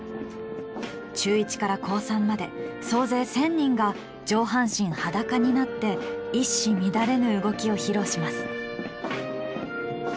中１から高３まで総勢１，０００人が上半身裸になって一糸乱れぬ動きを披露します。